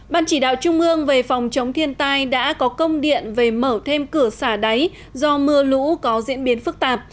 ban chỉ đạo trung ương về phòng chống thiên tai đã có công điện về mở thêm cửa xả đáy do mưa lũ có diễn biến phức tạp